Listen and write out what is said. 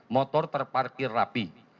motor terparkir rapih